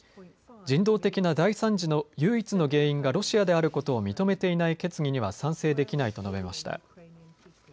人道的な大惨事の唯一の原因がロシアであることを認めていない決議には賛成できないと述べました。